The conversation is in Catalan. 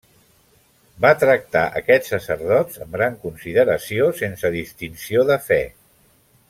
Va tractar aquests sacerdots amb gran consideració sense distinció de fe.